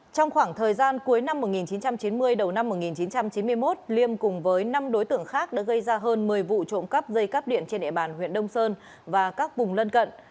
trong khoảng thời gian cuối năm một nghìn chín trăm chín mươi đầu năm một nghìn chín trăm chín mươi một liêm cùng với năm đối tượng khác đã gây ra hơn một mươi vụ trộm cắp dây cắp điện trên địa bàn huyện đông sơn và các vùng lân cận